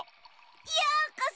ようこそ！